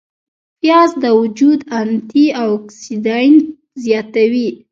پیاز د وجود انتي اوکسیدانت زیاتوي